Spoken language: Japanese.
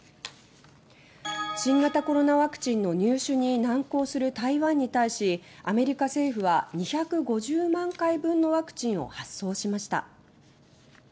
新型コロナワクチンの入手に難航する台湾に対しアメリカ政府は２５０万回分のワクチンを発送しました。